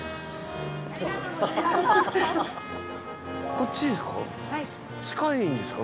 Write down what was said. こっちですか？